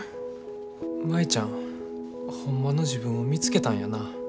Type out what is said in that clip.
舞ちゃんホンマの自分を見つけたんやな。